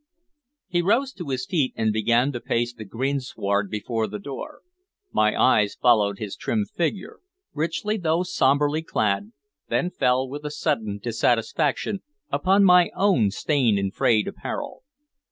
He rose to his feet, and began to pace the greensward before the door. My eyes followed his trim figure, richly though sombrely clad, then fell with a sudden dissatisfaction upon my own stained and frayed apparel.